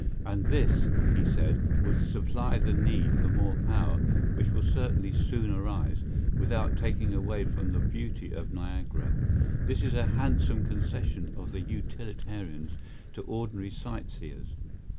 And this, he said, would supply the need for more power, which will certainly soon arise, without taking away from the beauty of Niagara. This is a handsome concession of the utilitarians to ordinary sight seers.